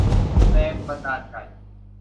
แรงบันดาลใจ